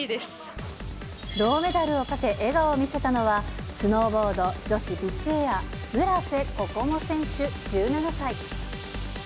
銅メダルをかけ、笑顔を見せたのは、スノーボード女子ビッグエア、村瀬心椛選手１７歳。